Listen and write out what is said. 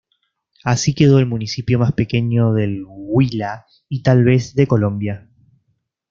Así quedó el municipio más pequeño del Huila y tal vez de Colombia.